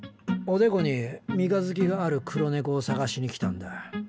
おでこに三日月がある黒猫を捜しに来たんだ。